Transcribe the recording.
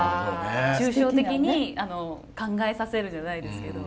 抽象的に考えさせるじゃないですけど。